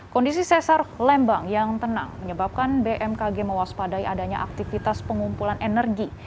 kondisi sesar lembang yang tenang menyebabkan bmkg mewaspadai adanya aktivitas pengumpulan energi